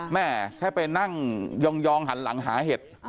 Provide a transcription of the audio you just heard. แม่แค่ไปนั่งยองหันหลังหาเห็ด